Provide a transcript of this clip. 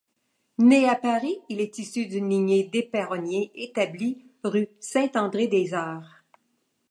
Né à Paris, il est issu d'une lignée d'éperonniers établie rue Saint-André-des-Arts.